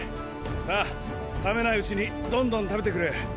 さあ冷めないうちにどんどん食べてくれ。